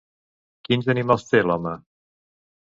Quins animals té l'home?